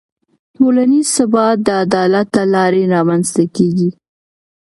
ټولنیز ثبات د عدالت له لارې رامنځته کېږي.